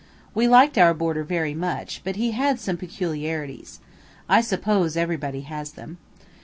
We liked our boarder very much, but he had some peculiarities. I suppose everybody has them.